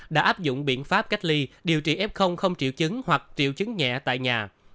đã áp dụng biện pháp cách ly điều trị f không triệu chứng hoặc triệu chứng nhẹ tại nhà